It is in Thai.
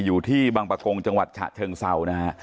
อยู่ที่บางประกงจังหวัดฉะเชิงเซานะฮะ